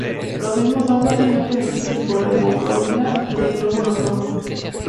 Los mismos son fácilmente visibles por la hemoglobina de los glóbulos rojos.